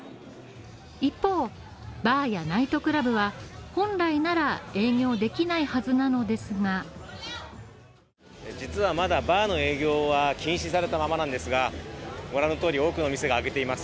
一方、バーやナイトクラブは、本来なら営業できないはずなのですが実はまだバーの営業は禁止されたままなんですが、ご覧の通り多くの店が開けています